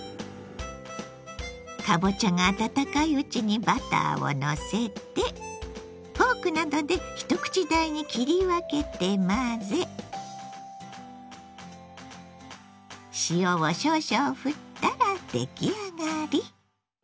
かぼちゃが温かいうちにバターをのせてフォークなどで一口大に切り分けて混ぜ塩を少々ふったら出来上がり。